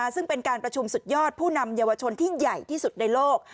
ซึ่งเป็นการประชุมสุดยอดผู้นำเยาวชนที่ใหญ่ที่สุดในโลก